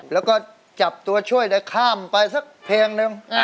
แล้วก็จับตัวช่วยได้ข้ามไปสักเพลงนึง